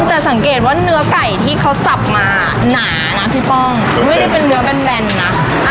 แต่สังเกตว่าเนื้อไก่ที่เขาจับมาหนานะพี่ป้องไม่ได้เป็นเนื้อแบนนะ